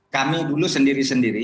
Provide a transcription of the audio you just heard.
kami dulu sendiri sendiri